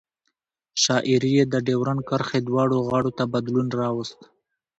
شاعري یې د ډیورند کرښې دواړو غاړو ته بدلون راوست.